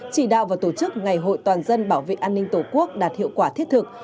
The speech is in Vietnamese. chỉ đạo và tổ chức ngày hội toàn dân bảo vệ an ninh tổ quốc đạt hiệu quả thiết thực